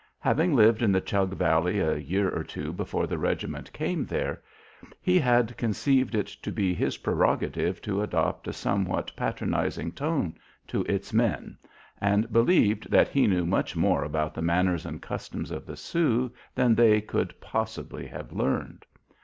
Having lived in the Chug Valley a year or two before the regiment came there, he had conceived it to be his prerogative to adopt a somewhat patronizing tone to its men, and believed that he knew much more about the manners and customs of the Sioux than they could possibly have learned.